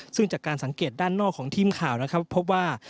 ซึ่งจากการสังเกตด้านนอกของทีมข่าวนะครับพบว่า